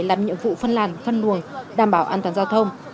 làm nhiệm vụ phân làn phân luồng đảm bảo an toàn giao thông